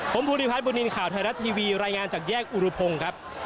ผมภูริพัฒนบุญนินทร์ข่าวไทยรัฐทีวีรายงานจากแยกอุรุพงศ์ครับ